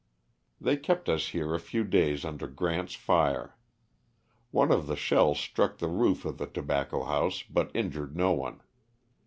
They kept us here a few days under G rant's fire. One of his shells struck the roof of the tobacco house, but injured no one.